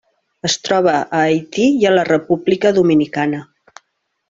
Es troba a Haití i a la República Dominicana.